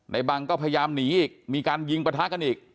บังก็พยายามหนีอีกมีการยิงประทะกันอีก